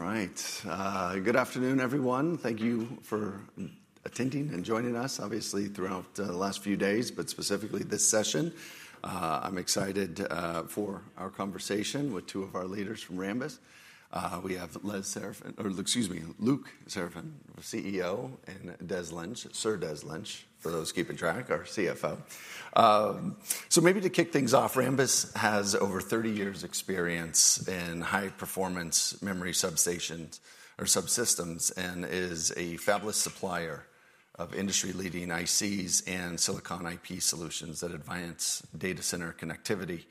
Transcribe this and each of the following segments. All right. Good afternoon, everyone. Thank you for attending and joining us, obviously, throughout the last few days, but specifically this session. I'm excited for our conversation with two of our leaders from Rambus. We have Luc Seraphin, CEO, and Des Lynch, our CFO. So maybe to kick things off, Rambus has over 30 years experience in high-performance memory subsystems and is a fabless supplier of industry-leading ICs and Silicon IP solutions that advance data center connectivity,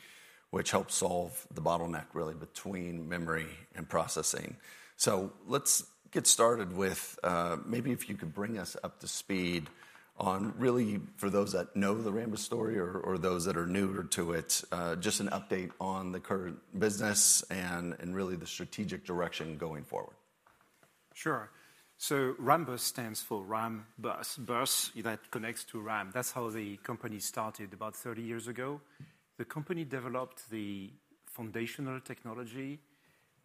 which helps solve the bottleneck, really, between memory and processing. So, let's get started with maybe if you could bring us up to speed on, really, for those that know the Rambus story or those that are newer to it, just an update on the current business and really the strategic direction going forward. Sure, so Rambus stands for RAM-BUS. BUS, that connects to RAM. That's how the company started about 30 years ago. The company developed the foundational technology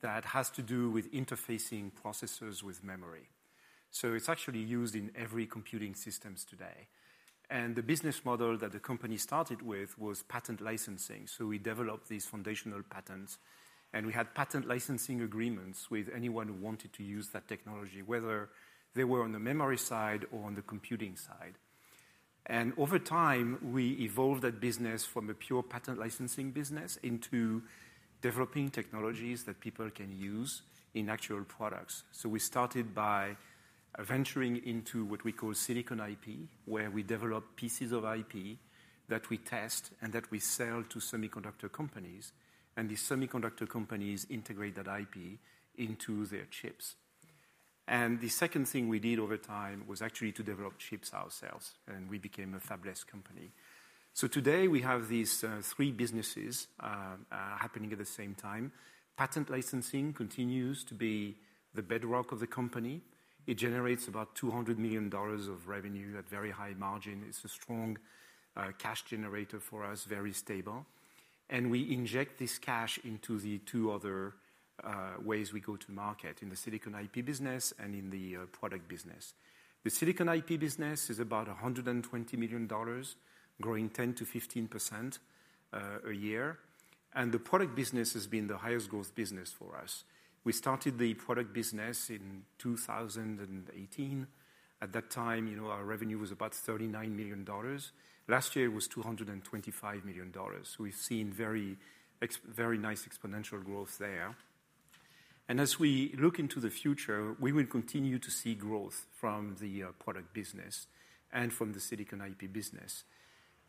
that has to do with interfacing processors with memory. So it's actually used in every computing system today, and the business model that the company started with was patent licensing, so we developed these foundational patents, and we had patent licensing agreements with anyone who wanted to use that technology, whether they were on the memory side or on the computing side, and over time, we evolved that business from a pure patent licensing business into developing technologies that people can use in actual products, so we started by venturing into what we call Silicon IP, where we develop pieces of IP that we test and that we sell to semiconductor companies, and these semiconductor companies integrate that IP into their chips. And the second thing we did over time was actually to develop chips ourselves. And we became a fabless company. So today, we have these three businesses happening at the same time. Patent licensing continues to be the bedrock of the company. It generates about $200 million of revenue at very high margin. It's a strong cash generator for us, very stable. And we inject this cash into the two other ways we go to market, in the Silicon IP business and in the product business. The Silicon IP business is about $120 million, growing 10%-15% a year. And the product business has been the highest-growth business for us. We started the product business in 2018. At that time, our revenue was about $39 million. Last year, it was $225 million. So we've seen very nice exponential growth there. As we look into the future, we will continue to see growth from the product business and from the Silicon IP business.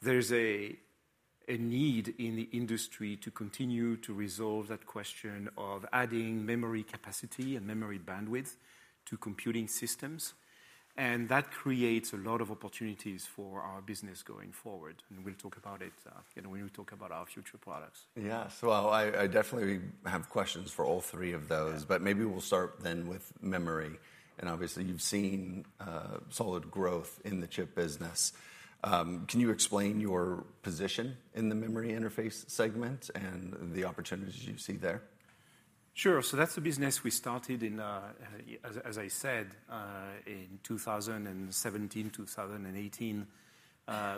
There's a need in the industry to continue to resolve that question of adding memory capacity and memory bandwidth to computing systems. That creates a lot of opportunities for our business going forward. And we'll talk about it when we talk about our future products. Yes. Well, I definitely have questions for all three of those. But maybe we'll start then with memory. And obviously, you've seen solid growth in the chip business. Can you explain your position in the memory interface segment and the opportunities you see there? Sure. So that's a business we started, as I said, in 2017, 2018.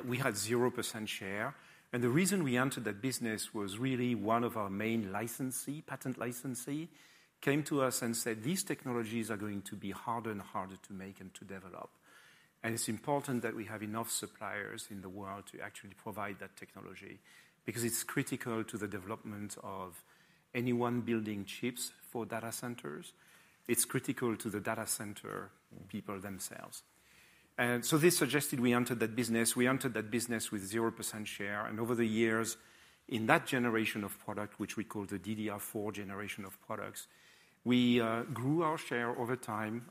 We had 0% share. And the reason we entered the business was really one of our main licensee, patent licensee, came to us and said, these technologies are going to be harder and harder to make and to develop. And it's important that we have enough suppliers in the world to actually provide that technology because it's critical to the development of anyone building chips for data centers. It's critical to the data center people themselves. And so this suggested we entered that business. We entered that business with 0% share. And over the years, in that generation of product, which we call the DDR4 generation of products, we grew our share over time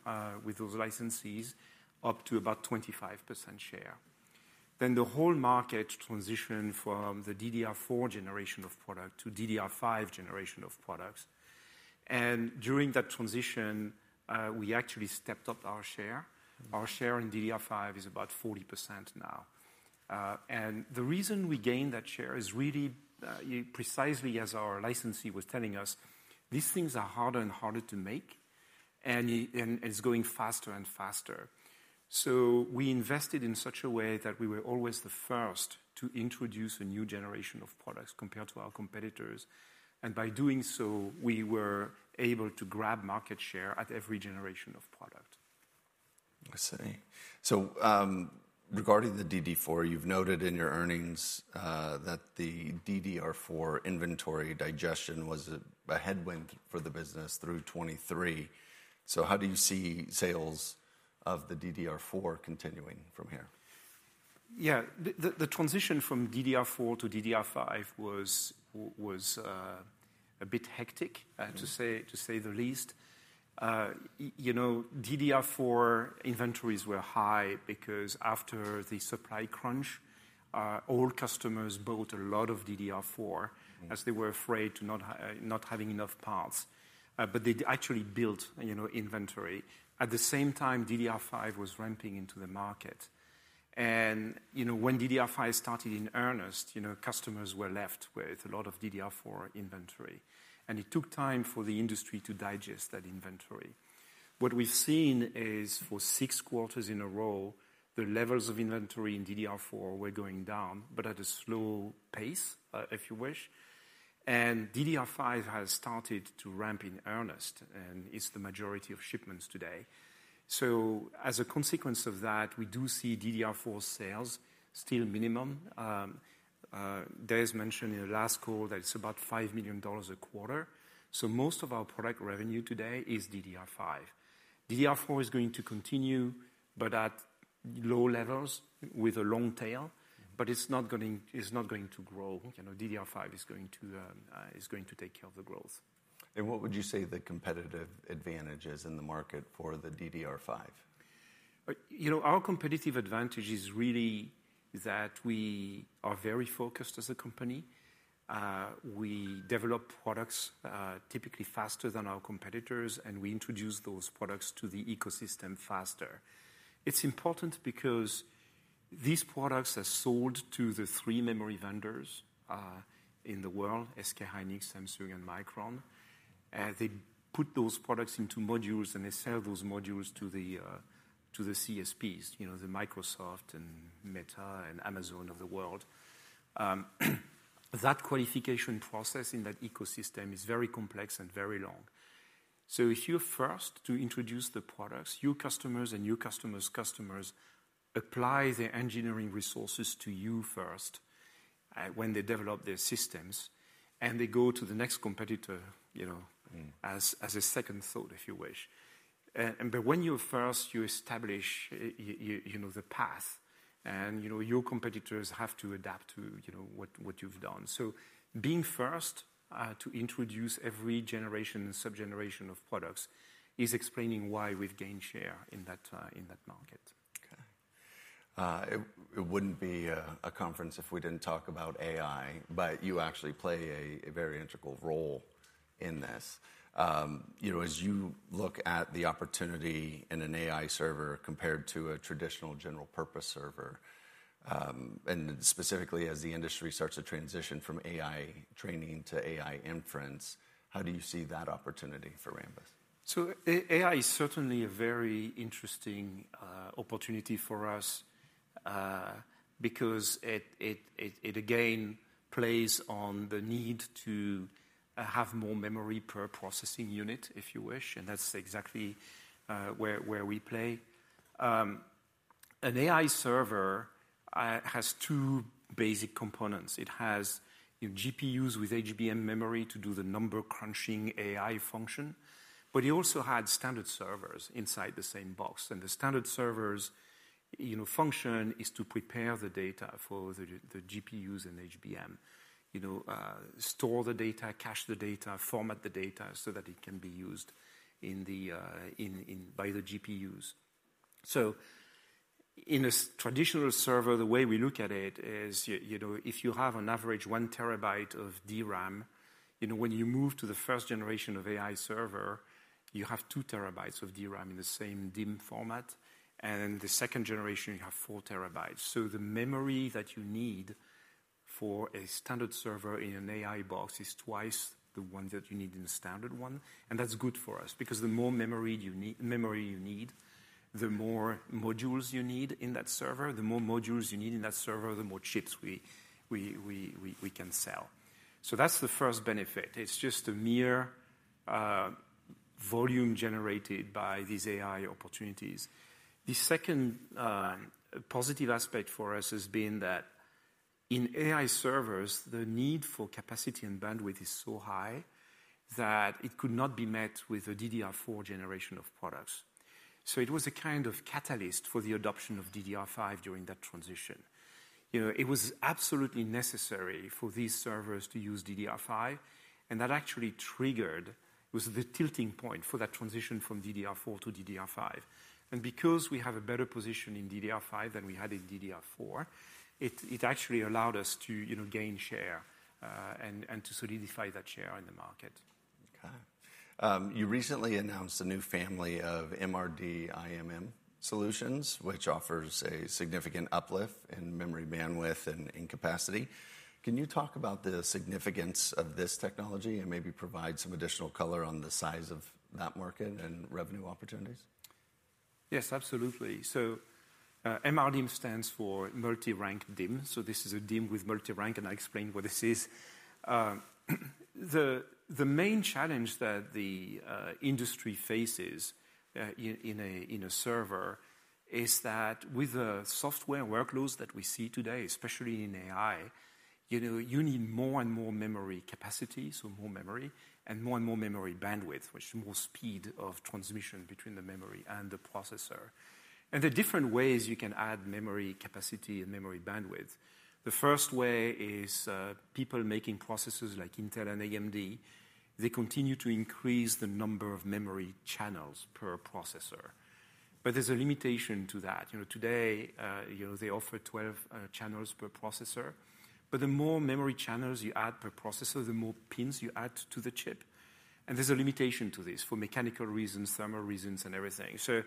with those licensees up to about 25% share. Then the whole market transitioned from the DDR4 generation of product to DDR5 generation of products, and during that transition, we actually stepped up our share. Our share in DDR5 is about 40% now, and the reason we gained that share is really precisely as our licensee was telling us, these things are harder and harder to make. And it's going faster and faster, so we invested in such a way that we were always the first to introduce a new generation of products compared to our competitors, and by doing so, we were able to grab market share at every generation of product. I see. So regarding the DDR4, you've noted in your earnings that the DDR4 inventory digestion was a headwind for the business through 2023. So how do you see sales of the DDR4 continuing from here? Yeah. The transition from DDR4 to DDR5 was a bit hectic, to say the least. DDR4 inventories were high because after the supply crunch, all customers bought a lot of DDR4 as they were afraid of not having enough parts, but they actually built inventory. At the same time, DDR5 was ramping into the market, and when DDR5 started in earnest, customers were left with a lot of DDR4 inventory, and it took time for the industry to digest that inventory. What we've seen is for six quarters in a row, the levels of inventory in DDR4 were going down, but at a slow pace, if you wish, and DDR5 has started to ramp in earnest, and it's the majority of shipments today, so as a consequence of that, we do see DDR4 sales still minimum. Des mentioned in the last call that it's about $5 million a quarter. Most of our product revenue today is DDR5. DDR4 is going to continue, but at low levels with a long tail. It's not going to grow. DDR5 is going to take care of the growth. What would you say the competitive advantage is in the market for the DDR5? Our competitive advantage is really that we are very focused as a company. We develop products typically faster than our competitors, and we introduce those products to the ecosystem faster. It's important because these products are sold to the three memory vendors in the world, SK Hynix, Samsung, and Micron. They put those products into modules, and they sell those modules to the CSPs, the Microsoft and Meta and Amazon of the world. That qualification process in that ecosystem is very complex and very long, so if you're first to introduce the products, your customers and your customers' customers apply their engineering resources to you first when they develop their systems, and they go to the next competitor as a second thought, if you wish, but when you're first, you establish the path, and your competitors have to adapt to what you've done. So being first to introduce every generation and sub-generation of products is explaining why we've gained share in that market. It wouldn't be a conference if we didn't talk about AI. But you actually play a very integral role in this. As you look at the opportunity in an AI server compared to a traditional general-purpose server, and specifically as the industry starts to transition from AI training to AI inference, how do you see that opportunity for Rambus? So AI is certainly a very interesting opportunity for us because it, again, plays on the need to have more memory per processing unit, if you wish. And that's exactly where we play. An AI server has two basic components. It has GPUs with HBM memory to do the number-crunching AI function. But it also had standard servers inside the same box. And the standard server's function is to prepare the data for the GPUs and HBM, store the data, cache the data, format the data so that it can be used by the GPUs. So in a traditional server, the way we look at it is if you have an average one terabyte of DRAM, when you move to the first generation of AI server, you have two terabytes of DRAM in the same DIMM format. And in the second generation, you have four terabytes. So the memory that you need for a standard server in an AI box is twice the one that you need in a standard one. And that's good for us because the more memory you need, the more modules you need in that server, the more chips we can sell. So that's the first benefit. It's just a sheer volume generated by these AI opportunities. The second positive aspect for us has been that in AI servers, the need for capacity and bandwidth is so high that it could not be met with a DDR4 generation of products. So it was a kind of catalyst for the adoption of DDR5 during that transition. It was absolutely necessary for these servers to use DDR5. And that actually triggered it was the tipping point for that transition from DDR4 to DDR5. Because we have a better position in DDR5 than we had in DDR4, it actually allowed us to gain share and to solidify that share in the market. You recently announced a new family of MRDIMM solutions, which offers a significant uplift in memory bandwidth and in capacity. Can you talk about the significance of this technology and maybe provide some additional color on the size of that market and revenue opportunities? Yes, absolutely. So MRDIMM stands for multi-rank DIMM. So this is a DIMM with multi-rank. And I'll explain what this is. The main challenge that the industry faces in a server is that with the software workloads that we see today, especially in AI, you need more and more memory capacity, so more memory, and more and more memory bandwidth, which is more speed of transmission between the memory and the processor. And there are different ways you can add memory capacity and memory bandwidth. The first way is people making processors like Intel and AMD, they continue to increase the number of memory channels per processor. But there's a limitation to that. Today, they offer 12 channels per processor. But the more memory channels you add per processor, the more pins you add to the chip. And there's a limitation to this for mechanical reasons, thermal reasons, and everything. So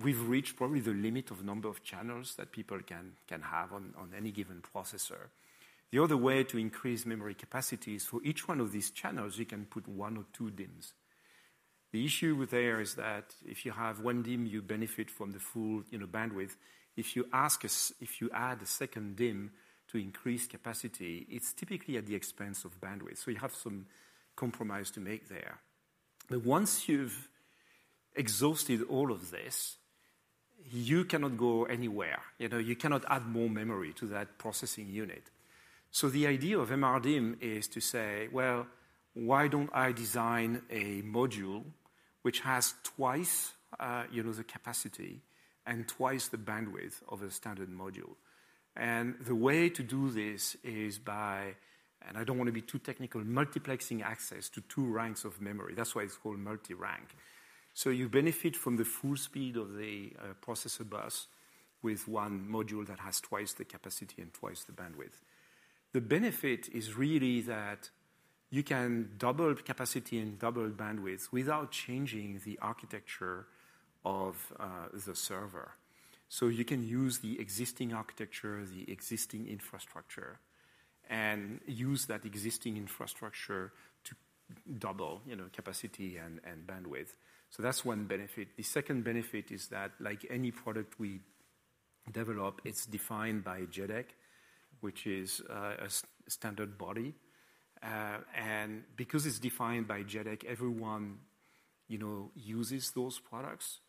we've reached probably the limit of number of channels that people can have on any given processor. The other way to increase memory capacity is for each one of these channels, you can put one or two DIMMs. The issue there is that if you have one DIMM, you benefit from the full bandwidth. If you add a second DIMM to increase capacity, it's typically at the expense of bandwidth. So you have some compromise to make there. But once you've exhausted all of this, you cannot go anywhere. You cannot add more memory to that processing unit. So the idea of MRDIMM is to say, well, why don't I design a module which has twice the capacity and twice the bandwidth of a standard module? And the way to do this is by, and I don't want to be too technical, multiplexing access to two ranks of memory. That's why it's called multi-rank. So you benefit from the full speed of the processor bus with one module that has twice the capacity and twice the bandwidth. The benefit is really that you can double capacity and double bandwidth without changing the architecture of the server. So you can use the existing architecture, the existing infrastructure, and use that existing infrastructure to double capacity and bandwidth. So that's one benefit. The second benefit is that like any product we develop, it's defined by JEDEC, which is a standard body. And because it's defined by JEDEC, everyone uses those products.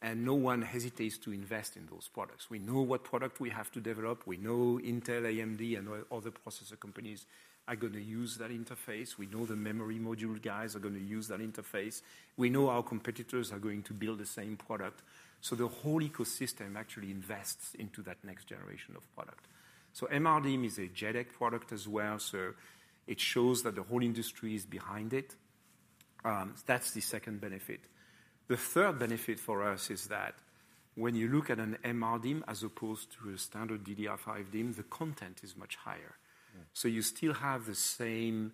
And no one hesitates to invest in those products. We know what product we have to develop. We know Intel, AMD, and all the processor companies are going to use that interface. We know the memory module guys are going to use that interface. We know our competitors are going to build the same product. So the whole ecosystem actually invests into that next generation of product. So MRDIMM is a JEDEC product as well. So it shows that the whole industry is behind it. That's the second benefit. The third benefit for us is that when you look at an MRDIMM as opposed to a standard DDR5 DIMM, the content is much higher. So you still have the same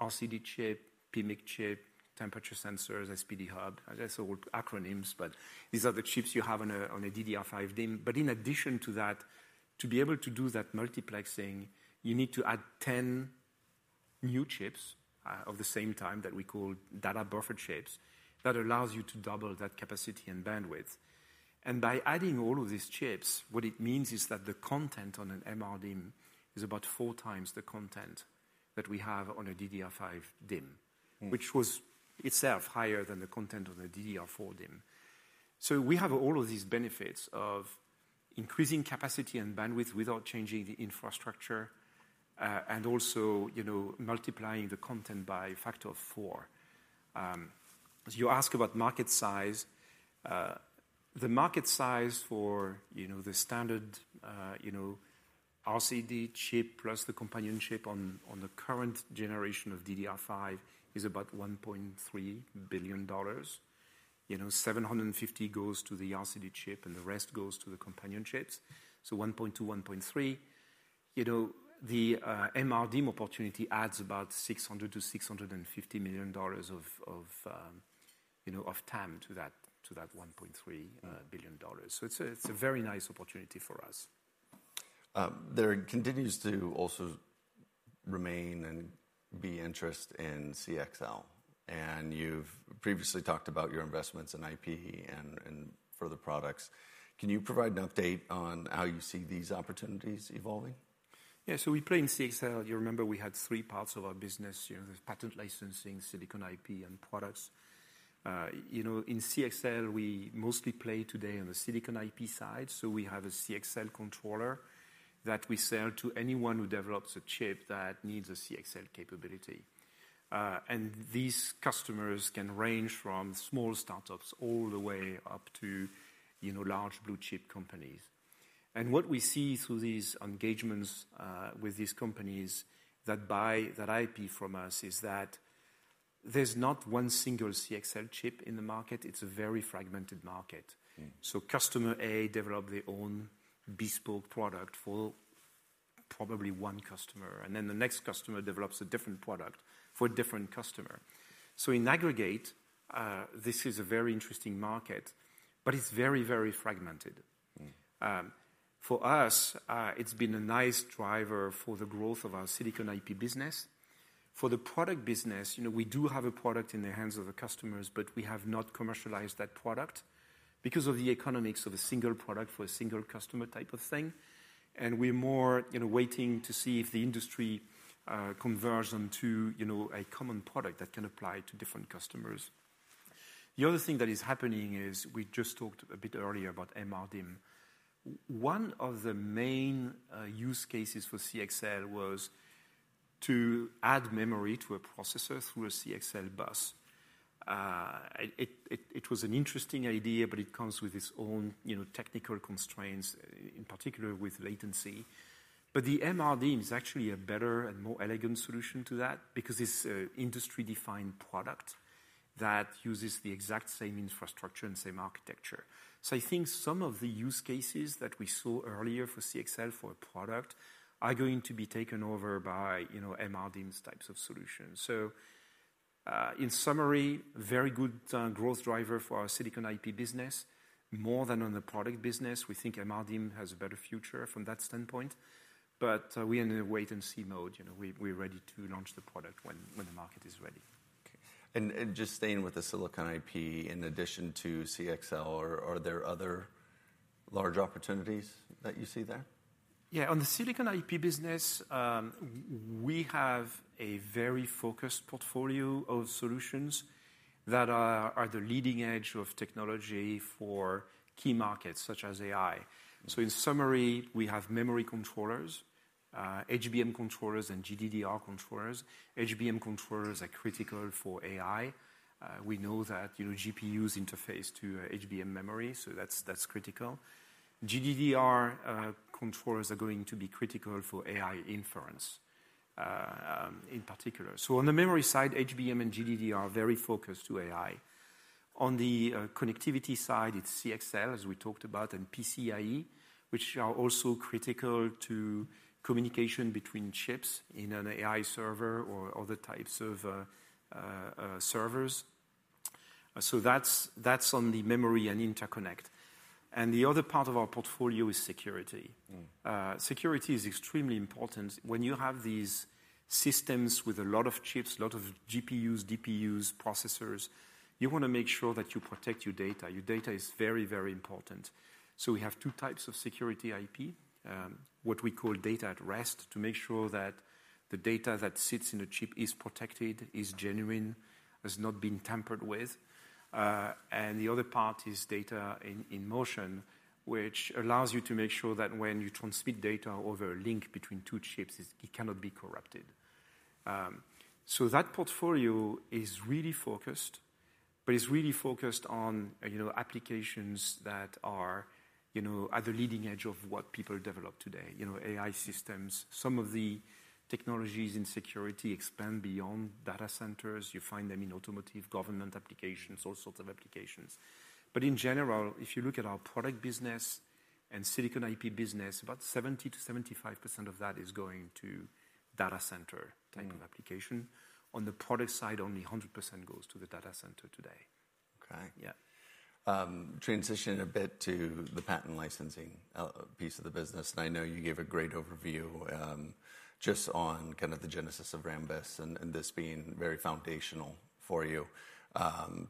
RCD chip, PMIC chip, temperature sensors, SPD Hub. I guess all acronyms. But these are the chips you have on a DDR5 DIMM. But in addition to that, to be able to do that multiplexing, you need to add 10 new chips at the same time that we call data buffer chips that allows you to double that capacity and bandwidth. By adding all of these chips, what it means is that the content on an MRDIMM is about four times the content that we have on a DDR5 DIMM, which was itself higher than the content of a DDR4 DIMM. We have all of these benefits of increasing capacity and bandwidth without changing the infrastructure and also multiplying the content by a factor of four. You ask about market size. The market size for the standard RCD chip plus the companion chip on the current generation of DDR5 is about $1.3 billion. $750 goes to the RCD chip, and the rest goes to the companion chips, so $1.2-$1.3. The MRD opportunity adds about $600-$650 million of TAM to that $1.3 billion. It's a very nice opportunity for us. There continues to also remain and be interest in CXL. And you've previously talked about your investments in IP and for the products. Can you provide an update on how you see these opportunities evolving? Yeah. So we play in CXL. You remember we had three parts of our business: patent licensing, Silicon IP, and products. In CXL, we mostly play today on the Silicon IP side. So we have a CXL controller that we sell to anyone who develops a chip that needs a CXL capability. And these customers can range from small startups all the way up to large blue chip companies. And what we see through these engagements with these companies that buy that IP from us is that there's not one single CXL chip in the market. It's a very fragmented market. So customer A develops their own bespoke product for probably one customer. And then the next customer develops a different product for a different customer. So in aggregate, this is a very interesting market. But it's very, very fragmented. For us, it's been a nice driver for the growth of our Silicon IP business. For the product business, we do have a product in the hands of the customers. But we have not commercialized that product because of the economics of a single product for a single customer type of thing. And we're more waiting to see if the industry converges onto a common product that can apply to different customers. The other thing that is happening is we just talked a bit earlier about MRDIMM. One of the main use cases for CXL was to add memory to a processor through a CXL bus. It was an interesting idea. But it comes with its own technical constraints, in particular with latency. But the MRDIMM is actually a better and more elegant solution to that because it's an industry-defined product that uses the exact same infrastructure and same architecture. So I think some of the use cases that we saw earlier for CXL for a product are going to be taken over by MRD types of solutions. So in summary, very good growth driver for our Silicon IP business. More than on the product business, we think MRD has a better future from that standpoint. But we are in a wait-and-see mode. We're ready to launch the product when the market is ready. Just staying with the Silicon IP, in addition to CXL, are there other large opportunities that you see there? Yeah. On the Silicon IP business, we have a very focused portfolio of solutions that are the leading edge of technology for key markets such as AI. So in summary, we have memory controllers, HBM controllers, and GDDR controllers. HBM controllers are critical for AI. We know that GPUs interface to HBM memory. So that's critical. GDDR controllers are going to be critical for AI inference in particular. So on the memory side, HBM and GDDR are very focused to AI. On the connectivity side, it's CXL, as we talked about, and PCIe, which are also critical to communication between chips in an AI server or other types of servers. So that's on the memory and interconnect. And the other part of our portfolio is security. Security is extremely important. When you have these systems with a lot of chips, a lot of GPUs, DPUs, processors, you want to make sure that you protect your data. Your data is very, very important. So we have two types of security IP, what we call data at rest, to make sure that the data that sits in a chip is protected, is genuine, has not been tampered with. And the other part is data in motion, which allows you to make sure that when you transmit data over a link between two chips, it cannot be corrupted. So that portfolio is really focused, but it's really focused on applications that are at the leading edge of what people develop today: AI systems. Some of the technologies in security expand beyond data centers. You find them in automotive, government applications, all sorts of applications. In general, if you look at our product business and Silicon IP business, about 70%-75% of that is going to data center type of application. On the product side, only 100% goes to the data center today. Yeah. Transition a bit to the patent licensing piece of the business, and I know you gave a great overview just on kind of the genesis of Rambus and this being very foundational for you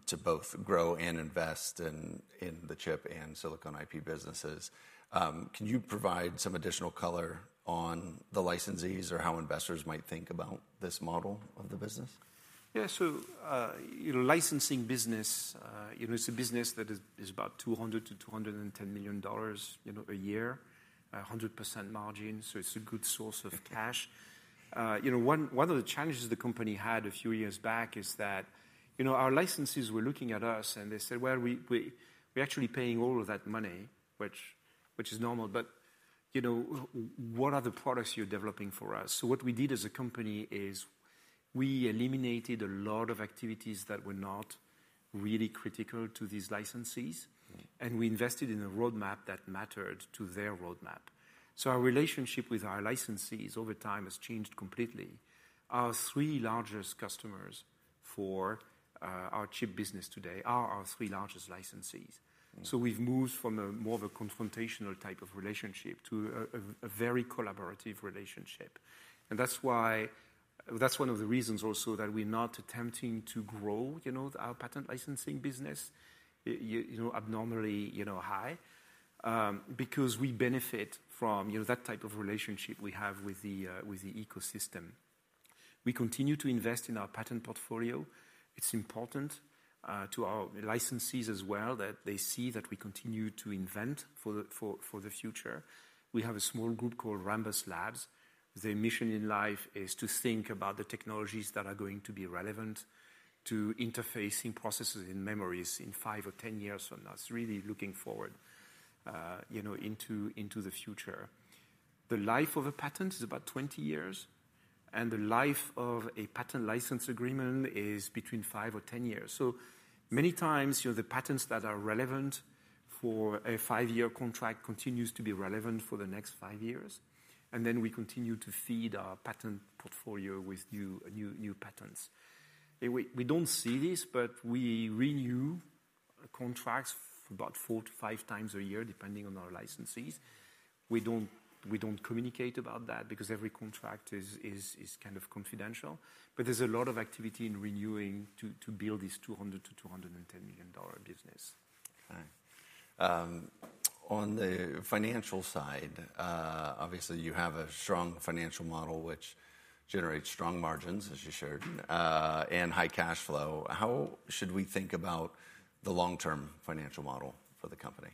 to both grow and invest in the chip and Silicon IP businesses. Can you provide some additional color on the licensees or how investors might think about this model of the business? Yeah. So licensing business, it's a business that is about $200-$210 million a year, 100% margin. So it's a good source of cash. One of the challenges the company had a few years back is that our licensees were looking at us. And they said, well, we're actually paying all of that money, which is normal. But what are the products you're developing for us? So what we did as a company is we eliminated a lot of activities that were not really critical to these licensees. And we invested in a roadmap that mattered to their roadmap. So our relationship with our licensees over time has changed completely. Our three largest customers for our chip business today are our three largest licensees. So we've moved from more of a confrontational type of relationship to a very collaborative relationship. That's one of the reasons also that we're not attempting to grow our patent licensing business abnormally high because we benefit from that type of relationship we have with the ecosystem. We continue to invest in our patent portfolio. It's important to our licensees as well that they see that we continue to invent for the future. We have a small group called Rambus Labs. Their mission in life is to think about the technologies that are going to be relevant to interfacing processors and memories in five or 10 years from now. It's really looking forward into the future. The life of a patent is about 20 years. The life of a patent license agreement is between five or 10 years. Many times, the patents that are relevant for a five-year contract continues to be relevant for the next five years. And then we continue to feed our patent portfolio with new patents. We don't see this. But we renew contracts about four to five times a year, depending on our licensees. We don't communicate about that because every contract is kind of confidential. But there's a lot of activity in renewing to build this $200-$210 million business. On the financial side, obviously, you have a strong financial model which generates strong margins, as you shared, and high cash flow. How should we think about the long-term financial model for the company?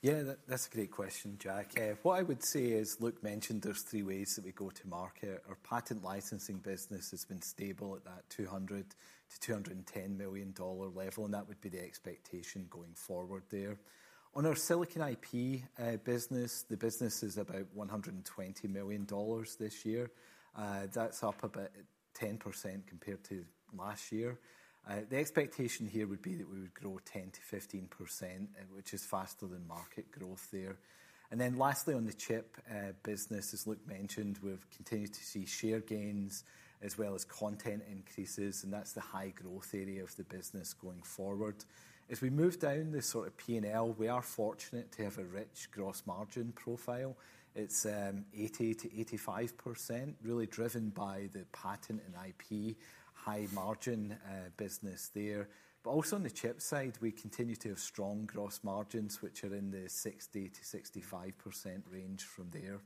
Yeah. That's a great question, Jack. What I would say is, Luc mentioned there's three ways that we go to market. Our patent licensing business has been stable at that $200-$210 million level. And that would be the expectation going forward there. On our Silicon IP business, the business is about $120 million this year. That's up about 10% compared to last year. The expectation here would be that we would grow 10%-15%, which is faster than market growth there. And then lastly, on the chip business, as Luc mentioned, we've continued to see share gains as well as content increases. And that's the high growth area of the business going forward. As we move down the sort of P&L, we are fortunate to have a rich gross margin profile. It's 80%-85%, really driven by the patent and IP high margin business there. But also on the chip side, we continue to have strong gross margins, which are in the 60%-65% range from there.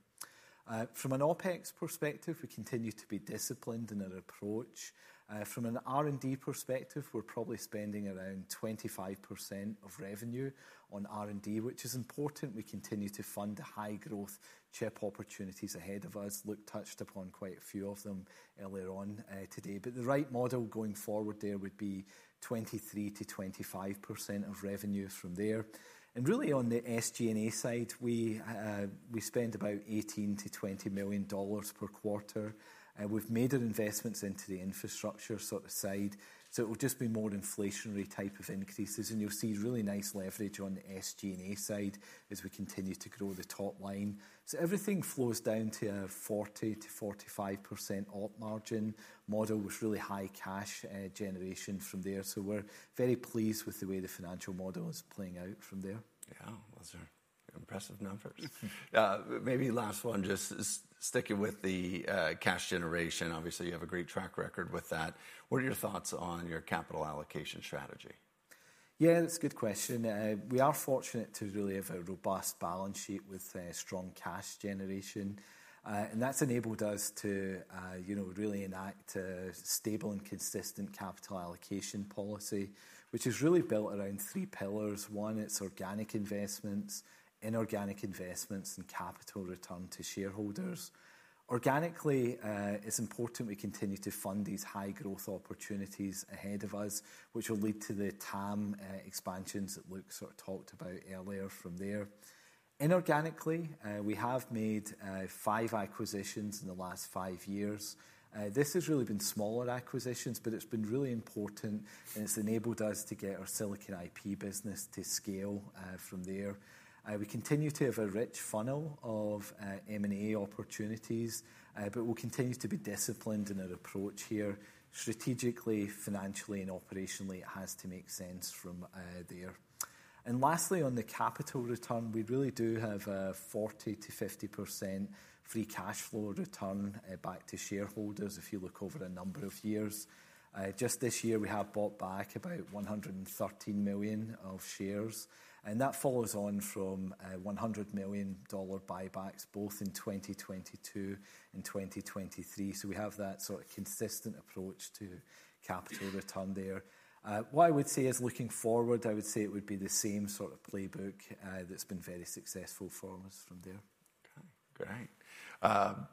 From an OPEX perspective, we continue to be disciplined in our approach. From an R&D perspective, we're probably spending around 25% of revenue on R&D, which is important. We continue to fund high-growth chip opportunities ahead of us. Luc touched upon quite a few of them earlier on today. But the right model going forward there would be 23%-25% of revenue from there. And really, on the SG&A side, we spend about $18-$20 million per quarter. We've major investments into the infrastructure sort of side. So it will just be more inflationary type of increases. And you'll see really nice leverage on the SG&A side as we continue to grow the top line. So everything flows down to a 40%-45% op margin model with really high cash generation from there. So we're very pleased with the way the financial model is playing out from there. Yeah. Those are impressive numbers. Maybe last one, just sticking with the cash generation. Obviously, you have a great track record with that. What are your thoughts on your capital allocation strategy? Yeah. That's a good question. We are fortunate to really have a robust balance sheet with strong cash generation, and that's enabled us to really enact a stable and consistent capital allocation policy, which is really built around three pillars. One, it's organic investments, inorganic investments, and capital return to shareholders. Organically, it's important we continue to fund these high-growth opportunities ahead of us, which will lead to the TAM expansions that Luc sort of talked about earlier from there. Inorganically, we have made five acquisitions in the last five years. This has really been smaller acquisitions, but it's been really important, and it's enabled us to get our Silicon IP business to scale from there. We continue to have a rich funnel of M&A opportunities, but we'll continue to be disciplined in our approach here. Strategically, financially, and operationally, it has to make sense from there. Lastly, on the capital return, we really do have a 40%-50% free cash flow return back to shareholders if you look over a number of years. Just this year, we have bought back about $113 million of shares. That follows on from $100 million buybacks, both in 2022 and 2023. We have that sort of consistent approach to capital return there. What I would say is looking forward, I would say it would be the same sort of playbook that's been very successful for us from there. Great.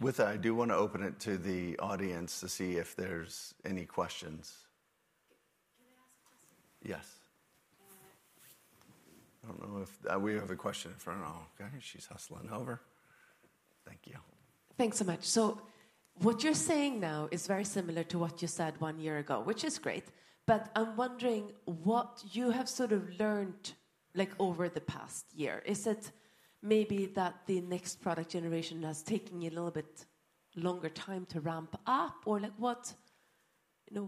With that, I do want to open it to the audience to see if there's any questions. Can I ask a question? Yes. I don't know if we have a question in front of all. OK. She's hustling over. Thank you. Thanks so much. So what you're saying now is very similar to what you said one year ago, which is great. But I'm wondering what you have sort of learned over the past year? Is it maybe that the next product generation has taken a little bit longer time to ramp up? Or what? I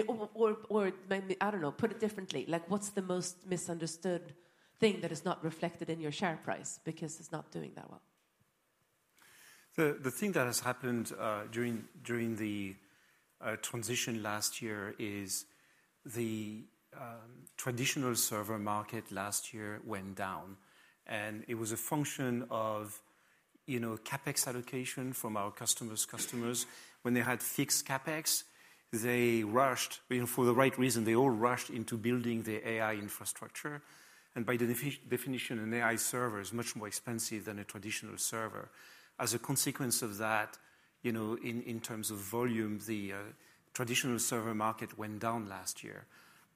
don't know. Put it differently. What's the most misunderstood thing that is not reflected in your share price because it's not doing that well? The thing that has happened during the transition last year is the traditional server market last year went down, and it was a function of CapEx allocation from our customers' customers. When they had fixed CapEx, they rushed for the right reason. They all rushed into building the AI infrastructure, and by definition, an AI server is much more expensive than a traditional server. As a consequence of that, in terms of volume, the traditional server market went down last year,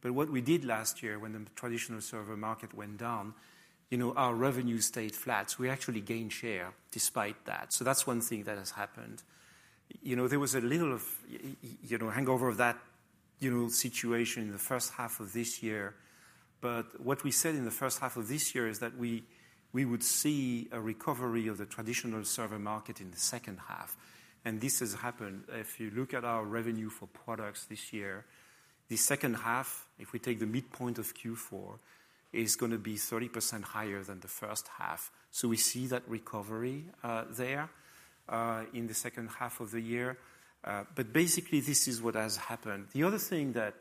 but what we did last year when the traditional server market went down, our revenue stayed flat. So we actually gained share despite that, so that's one thing that has happened. There was a little hangover of that situation in the first half of this year. But what we said in the first half of this year is that we would see a recovery of the traditional server market in the second half. And this has happened. If you look at our revenue for products this year, the second half, if we take the midpoint of Q4, is going to be 30% higher than the first half. So we see that recovery there in the second half of the year. But basically, this is what has happened. The other thing that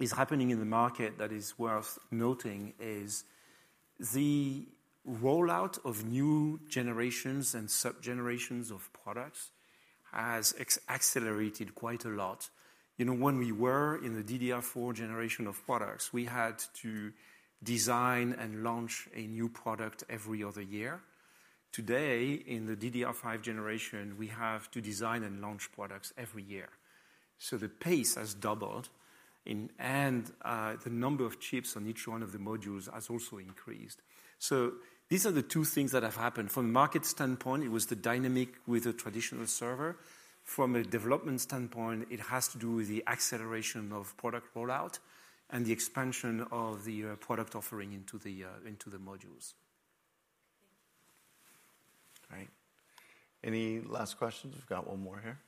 is happening in the market that is worth noting is the rollout of new generations and sub-generations of products has accelerated quite a lot. When we were in the DDR4 generation of products, we had to design and launch a new product every other year. Today, in the DDR5 generation, we have to design and launch products every year. So the pace has doubled. The number of chips on each one of the modules has also increased. These are the two things that have happened. From a market standpoint, it was the dynamic with a traditional server. From a development standpoint, it has to do with the acceleration of product rollout and the expansion of the product offering into the modules. Great. Any last questions? We've got one more here.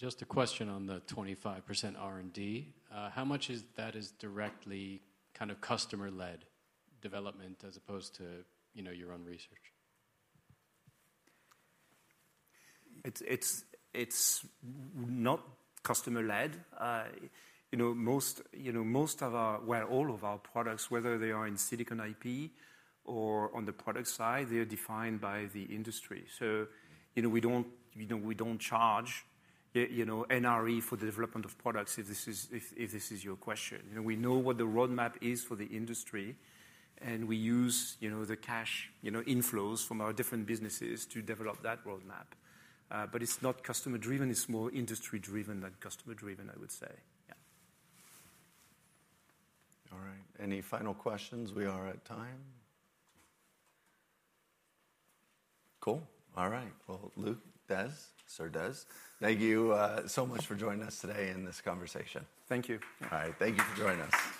Just a question on the 25% R&D. How much of that is directly kind of customer-led development as opposed to your own research? It's not customer-led. Most of our, well, all of our products, whether they are in Silicon IP or on the product side, they are defined by the industry. So we don't charge NRE for the development of products if this is your question. We know what the roadmap is for the industry. And we use the cash inflows from our different businesses to develop that roadmap. But it's not customer-driven. It's more industry-driven than customer-driven, I would say. Yeah. All right. Any final questions? We are at time. Cool. All right. Well, Luc, Des, Sir Des, thank you so much for joining us today in this conversation. Thank you. All right. Thank you for joining us.